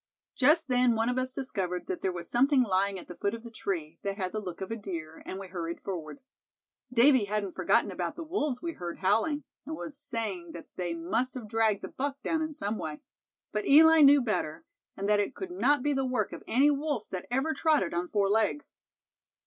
"Just then one of us discovered that there was something lying at the foot of the tree, that had the look of a deer, and we hurried forward. Davy hadn't forgotten about the wolves we heard howling, and was saying that they must have dragged the buck down in some way. But Eli knew better, and that it could not be the work of any wolf that ever trotted on four legs.